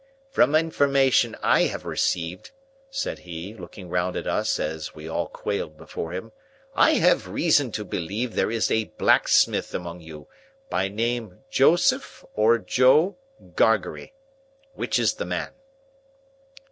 "From information I have received," said he, looking round at us as we all quailed before him, "I have reason to believe there is a blacksmith among you, by name Joseph—or Joe—Gargery. Which is the man?"